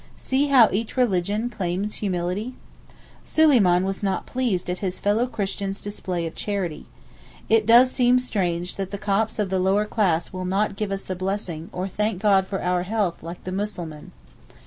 (See how each religion claims humility.) Suleyman was not pleased at his fellow christian's display of charity. It does seem strange that the Copts of the lower class will not give us the blessing, or thank God for our health like the Muslimeen.